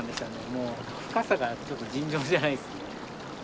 もう深さがちょっと尋常じゃないっすね。